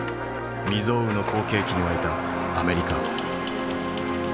未曽有の好景気に沸いたアメリカ。